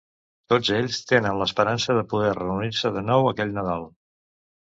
Tots ells tenen l'esperança de poder reunir-se de nou aquell Nadal.